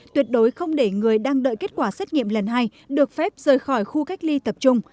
tuyệt đối không để người đang đợi kết quả xét nghiệm lần hai được phép rời khỏi khu cách ly tập trung